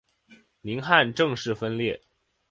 宁汉正式分裂。